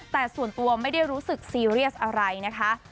แต่ส่วนตัวไม่ได้รู้สึกซีเรียสอะไรนะคะ